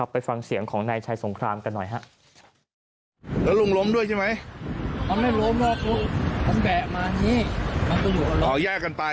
ไปฟังเสียงของนายชัยสงครามกันหน่อยฮะ